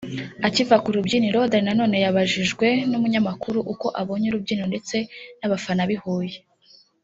Akiva ku rubyiniro Danny Nanone yabajijwe n'umunyamakuru uko abonye urubyiniro ndetse n’abafana b’i Huye